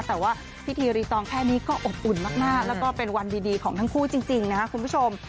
แต่ว่าพิธีรีตองแค่นี้ก็อบอุ่นมากแล้วก็เป็นวันดีของทั้งคู่จริงนะครับคุณผู้ชม